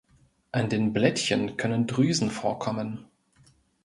An den Blättchen können Drüsen vorkommen.